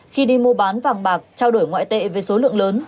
khi đi mua bán vàng bạc trao đổi ngoại tệ với số lượng lớn